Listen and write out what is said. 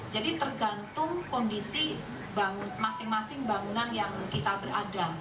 jadi tergantung kondisi masing masing bangunan yang kita berada